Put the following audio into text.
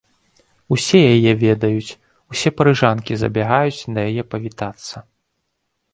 Усе яе ведаюць, усе парыжанкі забягаюць да яе павітацца.